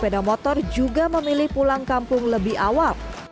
pemudik yang memotor juga memilih pulang kampung lebih awal